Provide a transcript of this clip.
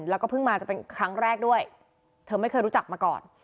แล้วก็เพิ่งมาจะเป็นครั้งแรกด้วยเธอไม่เคยรู้จักมาก่อน